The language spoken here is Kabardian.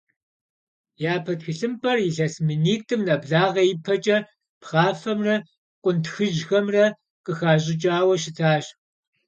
Япэ тхылъымпӏэр илъэс минитӏым нэблагъэ ипэкӏэ пхъафэмрэ къунтхыжьхэмрэ къыхащӏыкӏауэ щытащ.